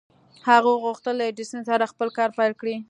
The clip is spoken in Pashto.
هغه غوښتل له ايډېسن سره خپل کار پيل کړي.